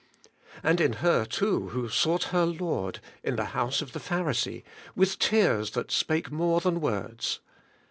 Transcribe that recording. And in her, too, who sought her Lord in the house of the Pharisee, with tears that spake more than words.